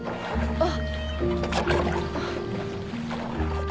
あっ！